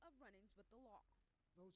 ketiga perjalanan mudik